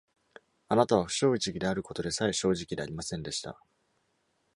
あなたは不正直であることでさえ正直でありませんでした。